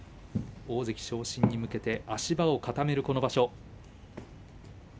大関昇進に向けて足場を固める、この場所。